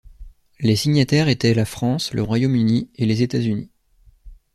Les signataires étaient la France, le Royaume-Uni et les États-Unis.